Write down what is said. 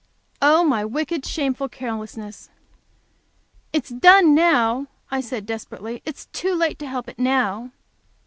"Oh, my wicked, shameful carelessness." "It's done now," I said, desperately. "It is too late to help it now."